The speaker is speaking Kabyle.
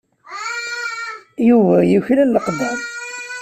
Yuba yuklal leqder.